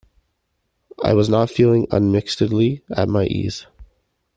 I was not feeling unmixedly at my ease.